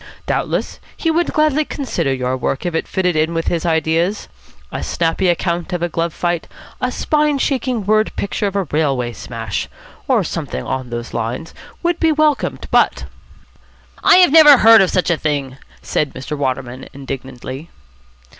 Doubtless he would gladly consider your work if it fitted in with his ideas. A snappy account of a glove fight, a spine shaking word picture of a railway smash, or something on those lines, would be welcomed. But " "I have never heard of such a thing," said Mr. Waterman indignantly.